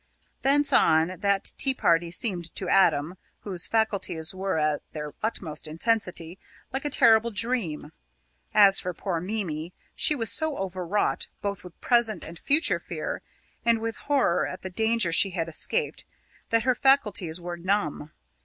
Thence on, that tea party seemed to Adam, whose faculties were at their utmost intensity, like a terrible dream. As for poor Mimi, she was so overwrought both with present and future fear, and with horror at the danger she had escaped, that her faculties were numb.